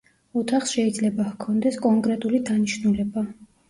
ოთახს შეიძლება ჰქონდეს კონკრეტული დანიშნულება.